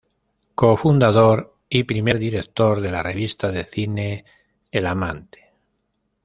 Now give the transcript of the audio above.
Cofundador y primer director de la revista de cine "El Amante".